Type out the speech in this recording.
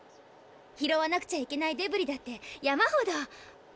拾わなくちゃいけないデブリだって山ほど。